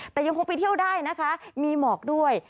แต่ยังคงไปเที่ยวได้นะคะมีหมอกด้วย